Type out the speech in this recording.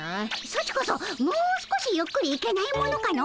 ソチこそもう少しゆっくり行けないものかの？